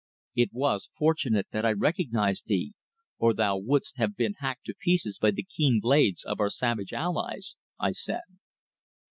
"It was fortunate that I recognized thee, or thou wouldst have been hacked to pieces by the keen blades of our savage allies," I said.